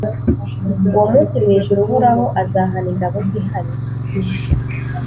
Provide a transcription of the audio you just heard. Uwo munsi, mu ijuru, Uhoraho azahana ingabo zihari,